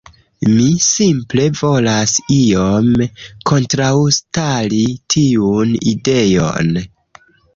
Mi simple volas iom kontraŭstari tiun ideon.